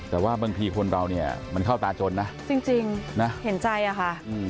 แต่ว่าบางทีคนเราเนี่ยมันเข้าตาจนนะจริงนะเห็นใจอะค่ะ